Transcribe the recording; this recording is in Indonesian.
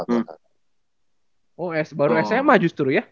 oh s baru sma justru ya